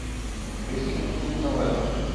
বেশি উত্তেজিত হয়ো না।